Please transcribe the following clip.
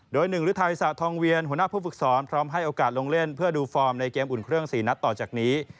โดย๑ฤทัยสะทองเวียนหัวหน้าผู้ฝึกสอนพร้อมให้โอกาสลงเล่นเพื่อดูฟอร์มในเกมอุ่นเครื่อง๔นัดต่อจากนี้